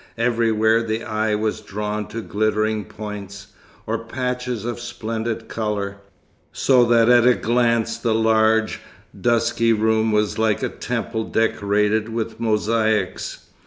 Everywhere the eye was drawn to glittering points, or patches of splendid colour; so that at a glance the large, dusky room was like a temple decorated with mosaics.